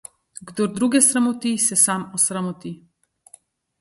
Kdor druge sramoti, se sam osramoti.